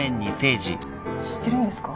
知ってるんですか？